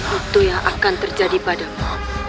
itu yang akan terjadi padamu